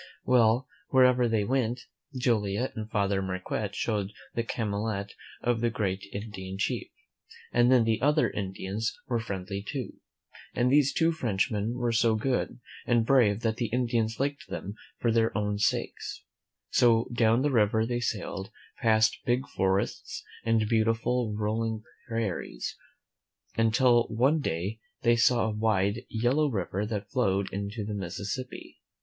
Well, wherever they went, Joliet and Father Marquette showed the calumet of the great Indian chief, and then the other Indians were friendly too. And these two Frenchmen were so good and brave that the Indians liked them for their own sakes; so down the river they sailed, past big forests and beautiful, rolling prairies, until one day they saw a wide, yellow river that flowed into the Mississippi.